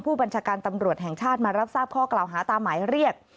ผู้บัญชาการตำรวจแห่งชาติมารับทราบข้อกล่าวหาตามหมายเรียก